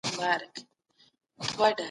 مشرانو ویلي دي چي له غریبانو سره مرسته وکړئ.